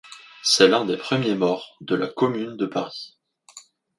C’est l’un des premiers morts de la Commune de Paris.